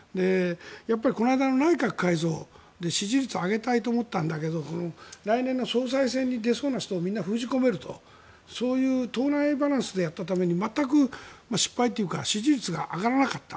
やっぱりこの間の内閣改造で支持率を上げたいと思ったんだけど来年の総裁選に出そうな人をみんな封じ込めるとそういう党内バランスでやったために全く失敗というか支持率が上がらなかった。